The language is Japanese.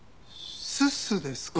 すすですか。